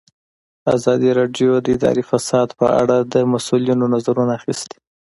ازادي راډیو د اداري فساد په اړه د مسؤلینو نظرونه اخیستي.